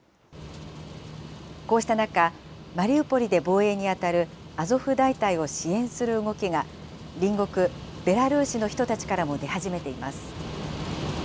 こうした中、マリウポリで防衛に当たるアゾフ大隊を支援する動きが、隣国ベラルーシの人たちからも出始めています。